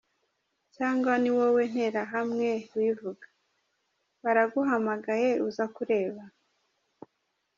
Cyangwa niwowe nterahamwe wivuga??? baraguhamagaye uza kureba ,???.